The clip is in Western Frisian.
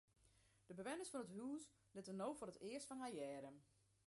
De bewenners fan it hús litte no foar it earst fan har hearre.